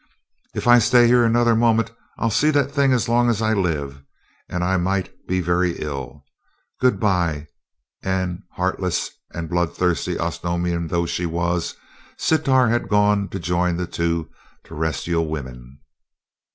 "If I stay here another minute I'll see that thing as long as I live; and I might be very ill. Goodbye," and heartless and bloodthirsty Osnomian though she was, Sitar had gone to join the two Terrestrial women.